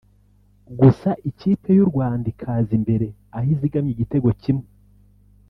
gusa ikipe y’u Rwanda ikaza imbere aho izigamye igitego kimwe